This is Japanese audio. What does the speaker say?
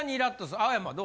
青山どう？